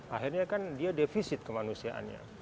akhirnya kan dia defisit kemanusiaannya